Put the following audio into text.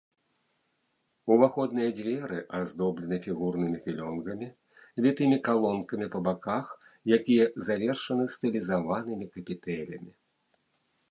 Уваходныя дзверы аздоблены фігурнымі філёнгамі, вітымі калонкамі па баках, якія завершаны стылізаванымі капітэлямі.